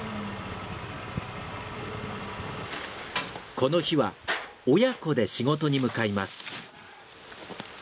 この日は親子で仕事に向かいます。